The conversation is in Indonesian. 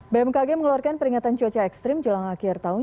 bmkg mengeluarkan peringatan cuaca ekstrim jelang akhir tahun